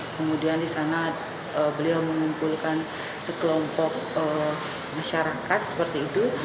kemudian di sana beliau mengumpulkan sekelompok masyarakat seperti itu